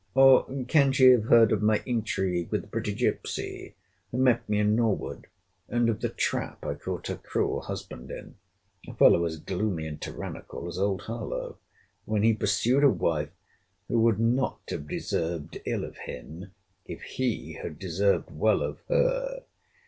—Or can she have heard of my intrigue with the pretty gipsey, who met me in Norwood, and of the trap I caught her cruel husband in, [a fellow as gloomy and tyrannical as old Harlowe,] when he pursued a wife, who would not have deserved ill of him, if he had deserved well of her!